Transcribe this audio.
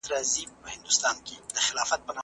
هغه د یوازیتوب شپې تیروي.